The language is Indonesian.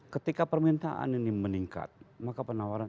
ketika permintaan ini meningkat maka penawaran